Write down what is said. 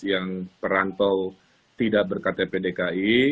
yang perantau tidak ber ktp dki